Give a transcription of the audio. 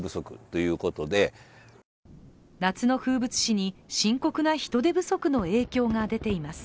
夏の風物詩に深刻な人手不足の影響が出ています。